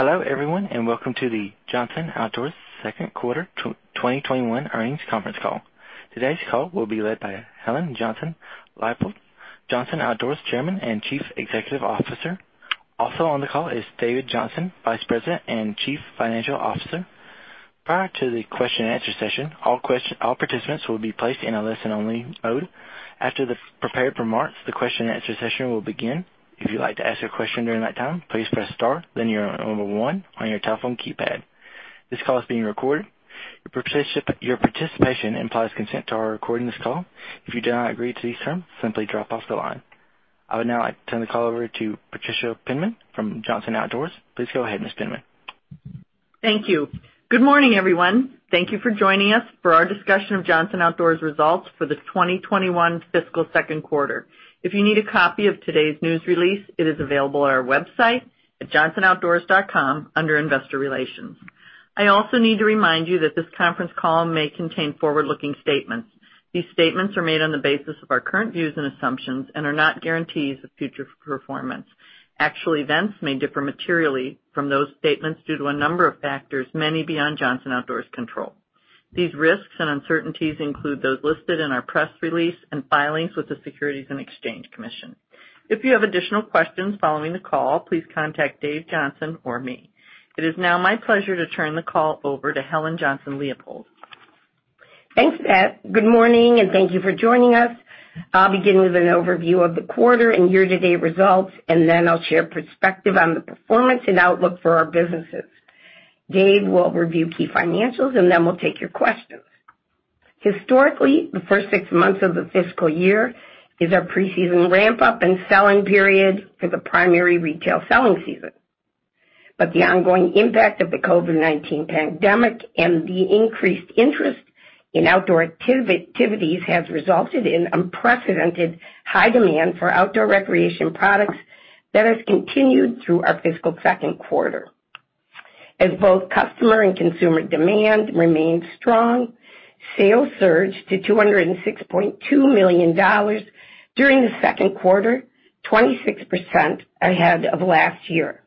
Hello, everyone, and welcome to the Johnson Outdoors second quarter 2021 earnings conference call. Today's call will be led by Helen Johnson-Leipold, Johnson Outdoors Chairman and Chief Executive Officer. Also on the call is Dave Johnson, Vice President and Chief Financial Officer. Prior to the question and answer session, all participants will be placed in a listen-only mode. After the prepared remarks, the question and answer session will begin. If you'd like to ask a question during that time, please press star, then your number one on your telephone keypad. This call is being recorded. Your participation implies consent to our recording this call. If you do not agree to these terms, simply drop off the line. I would now like to turn the call over to Patricia Penman from Johnson Outdoors. Please go ahead, Ms. Penman. Thank you. Good morning, everyone. Thank you for joining us for our discussion of Johnson Outdoors results for the 2021 fiscal second quarter. If you need a copy of today's news release, it is available on our website at johnsonoutdoors.com under Investor Relations. I also need to remind you that this conference call may contain forward-looking statements. These statements are made on the basis of our current views and assumptions and are not guarantees of future performance. Actual events may differ materially from those statements due to a number of factors, many beyond Johnson Outdoors' control. These risks and uncertainties include those listed in our press release and filings with the Securities and Exchange Commission. If you have additional questions following the call, please contact Dave Johnson or me. It is now my pleasure to turn the call over to Helen Johnson-Leipold. Thanks, Pat. Good morning, and thank you for joining us. I'll begin with an overview of the quarter and year-to-date results, then I'll share perspective on the performance and outlook for our businesses. Dave will review key financials, then we'll take your questions. Historically, the first six months of the fiscal year is our pre-season ramp-up and selling period for the primary retail selling season. The ongoing impact of the COVID-19 pandemic and the increased interest in outdoor activities has resulted in unprecedented high demand for outdoor recreation products that has continued through our fiscal second quarter. As both customer and consumer demand remains strong, sales surged to $206.2 million during the second quarter, 26% ahead of last year.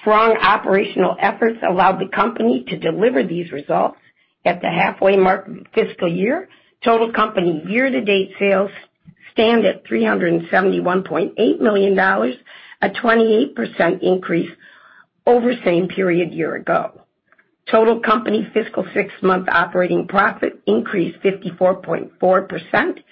Strong operational efforts allowed the company to deliver these results at the halfway mark fiscal year. Total company year-to-date sales stand at $371.8 million, a 28% increase over the same period year ago. Total company fiscal sixth month operating profit increased 54.4%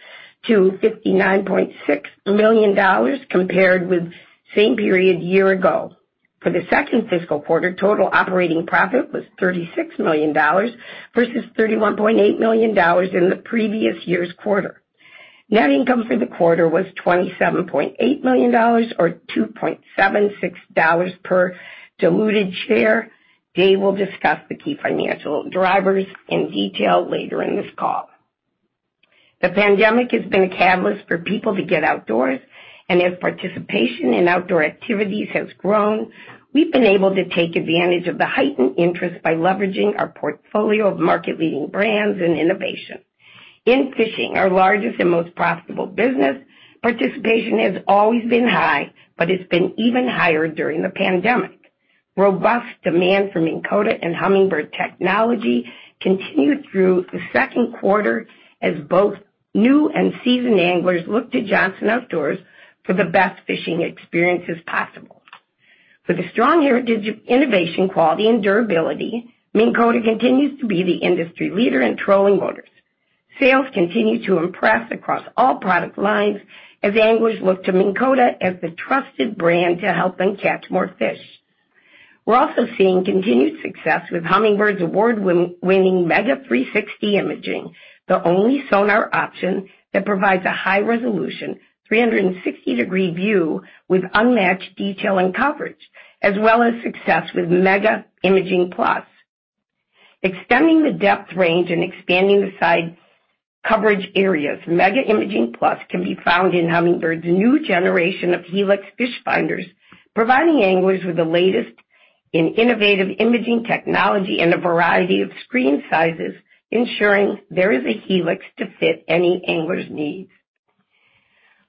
to $59.6 million compared with the same period year ago. For the second fiscal quarter, total operating profit was $36 million versus $31.8 million in the previous year's quarter. Net income for the quarter was $27.8 million or $2.76 per diluted share. Dave will discuss the key financial drivers in detail later in this call. The pandemic has been a catalyst for people to get outdoors, and as participation in outdoor activities has grown, we've been able to take advantage of the heightened interest by leveraging our portfolio of market-leading brands and innovation. In fishing, our largest and most profitable business, participation has always been high, but it's been even higher during the pandemic. Robust demand from Minn Kota and Humminbird technology continued through the second quarter as both new and seasoned anglers looked to Johnson Outdoors for the best fishing experiences possible. With a strong heritage of innovation, quality, and durability, Minn Kota continues to be the industry leader in trolling motors. Sales continue to impress across all product lines as anglers look to Minn Kota as the trusted brand to help them catch more fish. We're also seeing continued success with Humminbird's award-winning MEGA 360 Imaging, the only sonar option that provides a high-resolution 360-degree view with unmatched detail and coverage, as well as success with MEGA Imaging+. Extending the depth range and expanding the side coverage areas, MEGA Imaging+ can be found in Humminbird's new generation of HELIX fish finders, providing anglers with the latest in innovative imaging technology in a variety of screen sizes, ensuring there is a HELIX to fit any angler's needs.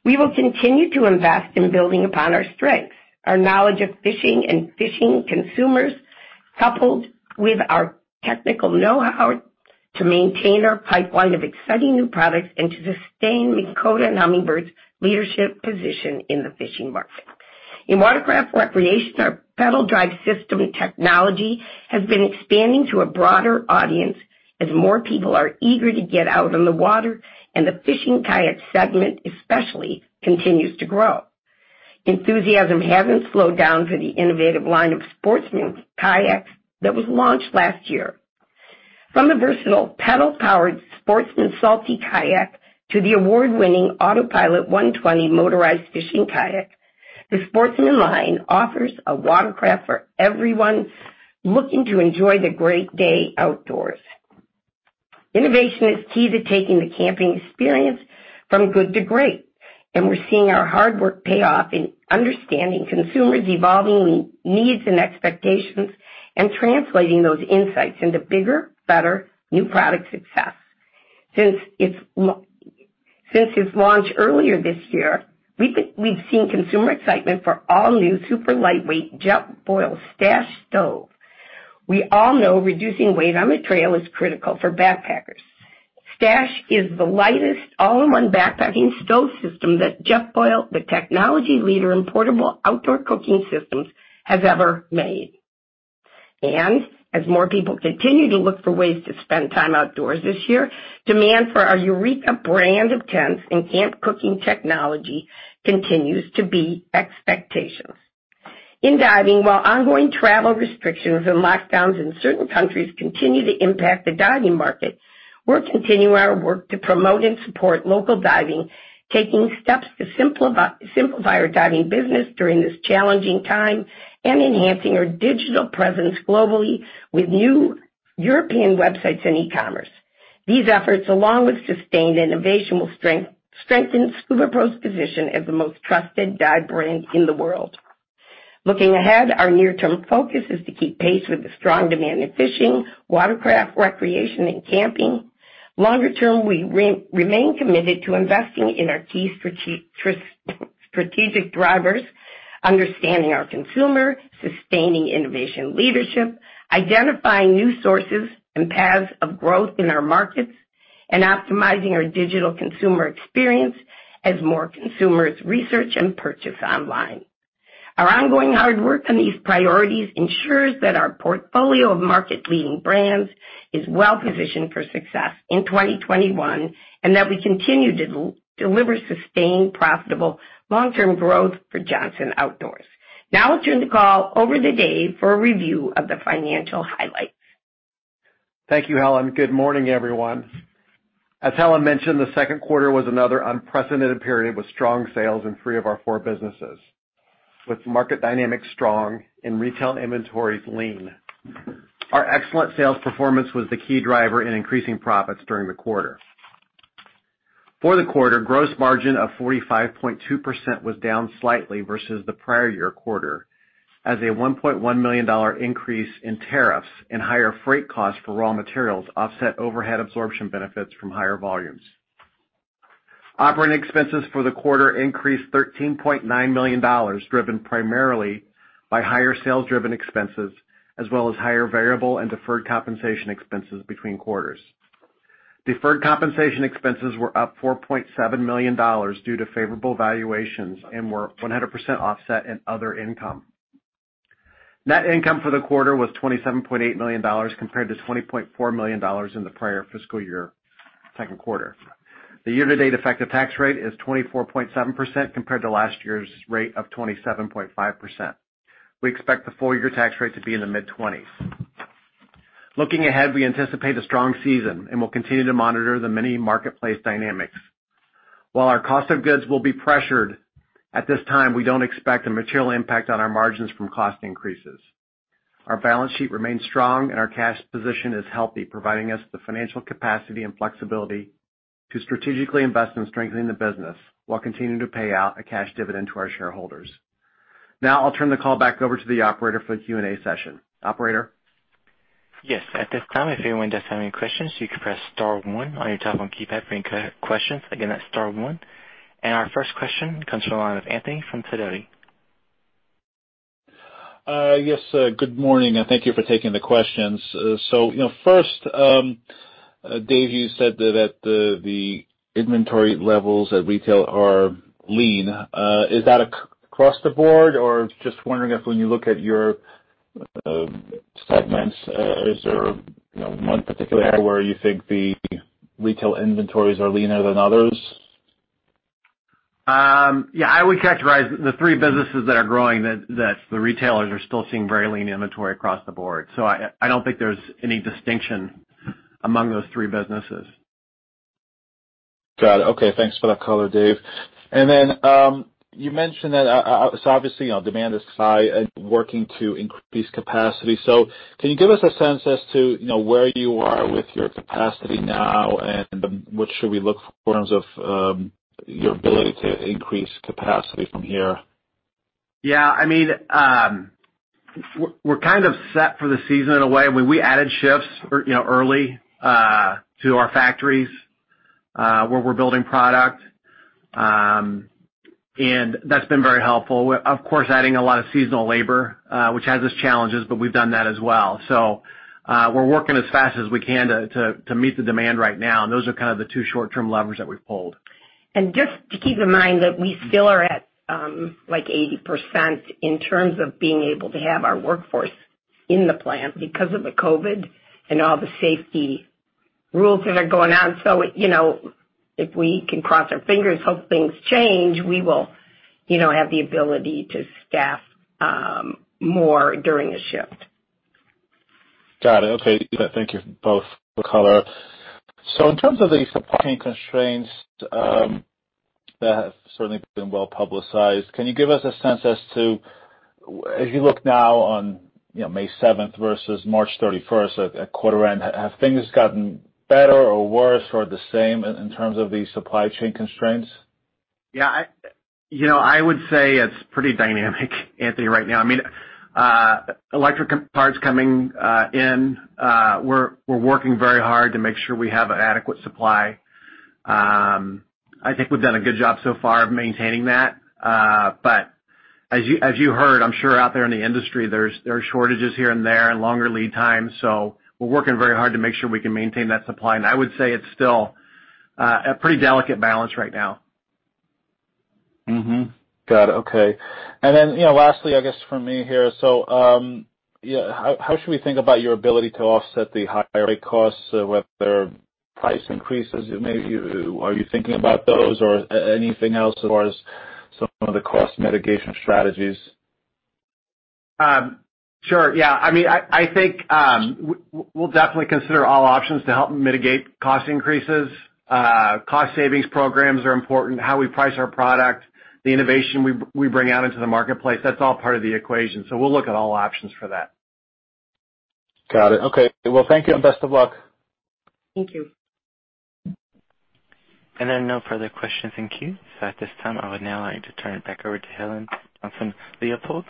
We will continue to invest in building upon our strengths, our knowledge of fishing and fishing consumers, coupled with our technical know-how to maintain our pipeline of exciting new products and to sustain Minn Kota and Humminbird's leadership position in the fishing market. In watercraft recreation, our pedal drive system technology has been expanding to a broader audience as more people are eager to get out on the water and the fishing kayak segment, especially, continues to grow. Enthusiasm hasn't slowed down for the innovative line of Sportsman kayaks that was launched last year. From the versatile pedal-powered Sportsman Salty kayak to the award-winning AutoPilot 120 motorized fishing kayak, the Sportsman line offers a watercraft for everyone looking to enjoy the great day outdoors. Innovation is key to taking the camping experience from good to great. We're seeing our hard work pay off in understanding consumers' evolving needs and expectations and translating those insights into bigger, better new product success. Since its launch earlier this year, we've seen consumer excitement for all new super lightweight Jetboil Stash stove. We all know reducing weight on the trail is critical for backpackers. Stash is the lightest all-in-one backpacking stove system that Jetboil, the technology leader in portable outdoor cooking systems, has ever made. As more people continue to look for ways to spend time outdoors this year, demand for our Eureka brand of tents and camp cooking technology continues to beat expectations. In diving, while ongoing travel restrictions and lockdowns in certain countries continue to impact the diving market, we're continuing our work to promote and support local diving, taking steps to simplify our diving business during this challenging time, and enhancing our digital presence globally with new European websites and e-commerce. These efforts, along with sustained innovation, will strengthen SCUBAPRO's position as the most trusted dive brand in the world. Looking ahead, our near-term focus is to keep pace with the strong demand in fishing, watercraft recreation, and camping. Longer term, we remain committed to investing in our key strategic drivers, understanding our consumer, sustaining innovation leadership, identifying new sources and paths of growth in our markets, and optimizing our digital consumer experience as more consumers research and purchase online. Our ongoing hard work on these priorities ensures that our portfolio of market-leading brands is well-positioned for success in 2021, and that we continue to deliver sustained, profitable long-term growth for Johnson Outdoors. Now I'll turn the call over to Dave for a review of the financial highlights. Thank you, Helen. Good morning, everyone. As Helen mentioned, the second quarter was another unprecedented period with strong sales in three of our four businesses. With market dynamics strong and retail inventories lean, our excellent sales performance was the key driver in increasing profits during the quarter. For the quarter, gross margin of 45.2% was down slightly versus the prior year quarter, as a $1.1 million increase in tariffs and higher freight costs for raw materials offset overhead absorption benefits from higher volumes. Operating expenses for the quarter increased $13.9 million, driven primarily by higher sales-driven expenses as well as higher variable and deferred compensation expenses between quarters. Deferred compensation expenses were up $4.7 million due to favorable valuations and were 100% offset in other income. Net income for the quarter was $27.8 million, compared to $20.4 million in the prior fiscal year second quarter. The year-to-date effective tax rate is 24.7%, compared to last year's rate of 27.5%. We expect the full-year tax rate to be in the mid-20s. Looking ahead, we anticipate a strong season, and we'll continue to monitor the many marketplace dynamics. While our cost of goods will be pressured, at this time, we don't expect a material impact on our margins from cost increases. Our balance sheet remains strong, and our cash position is healthy, providing us the financial capacity and flexibility to strategically invest in strengthening the business while continuing to pay out a cash dividend to our shareholders. Now I'll turn the call back over to the operator for the Q&A session. Operator? Yes. At this time, if anyone does have any questions, you can press star one on your telephone keypad for any questions. Again, that's star one. Our first question comes from the line of Anthony from Sidoti. Yes. Good morning, thank you for taking the questions. First, Dave, you said that the inventory levels at retail are lean. Is that across the board, or just wondering if when you look at your segments, is there one particular area where you think the retail inventories are leaner than others? Yeah, I would characterize the three businesses that are growing, that the retailers are still seeing very lean inventory across the board. I don't think there's any distinction among those three businesses. Got it. Okay. Thanks for that color, Dave. You mentioned that, so obviously, demand is high and working to increase capacity. Can you give us a sense as to where you are with your capacity now, and what should we look for in terms of your ability to increase capacity from here? Yeah. We're kind of set for the season in a way. We added shifts early to our factories, where we're building product. That's been very helpful. We're, of course, adding a lot of seasonal labor, which has its challenges, but we've done that as well. We're working as fast as we can to meet the demand right now, and those are kind of the two short-term levers that we've pulled. Just to keep in mind that we still are at, like, 80% in terms of being able to have our workforce in the plant because of the COVID and all the safety rules that are going on. If we can cross our fingers, hope things change, we will have the ability to staff more during a shift. Got it. Okay. Thank you both for the color. In terms of the supply chain constraints that have certainly been well-publicized, can you give us a sense as to, as you look now on May 7th versus March 31st at quarter end, have things gotten better or worse or the same in terms of the supply chain constraints? I would say it's pretty dynamic, Anthony, right now. Electric parts coming in, we're working very hard to make sure we have adequate supply. I think we've done a good job so far of maintaining that. As you heard, I'm sure out there in the industry, there are shortages here and there and longer lead times. We're working very hard to make sure we can maintain that supply. I would say it's still a pretty delicate balance right now. Got it. Okay. Lastly, I guess for me here. How should we think about your ability to offset the higher rate costs, whether price increases maybe? Are you thinking about those or anything else as far as some of the cost mitigation strategies? Sure, yeah. I think we'll definitely consider all options to help mitigate cost increases. Cost savings programs are important, how we price our product, the innovation we bring out into the marketplace. That's all part of the equation. We'll look at all options for that. Got it. Okay. Well, thank you, and best of luck. Thank you. There are no further questions in queue. At this time, I would now like to turn it back over to Helen Johnson-Leipold.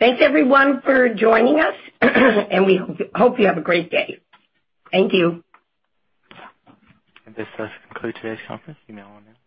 Thanks, everyone, for joining us and we hope you have a great day. Thank you. This does conclude today's conference. You may all now disconnect.